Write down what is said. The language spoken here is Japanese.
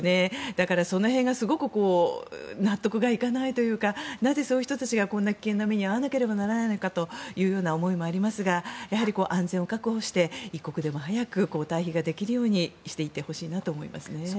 だから、その辺がすごく納得がいかないというかなぜそういう人たちがこんな危険な目に遭わなきゃならないのかという思いもありますが安全を確保して一刻でも早く退避ができるようにしていってほしいと思います。